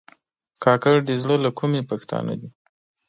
کاکړ د زړه له کومي پښتانه دي.